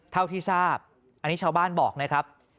เท่าที่ทราบอันนี้ชาวบ้านบอกนะครับ